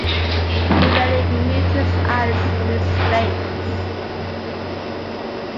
He rarely removed his eyes from his face.